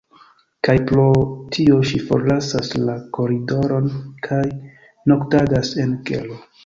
Kaj pro tio ŝi forlasas la koridoron kaj noktadas en kelo.